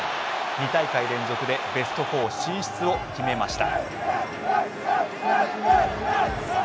２大会連続でベスト４進出を決めました。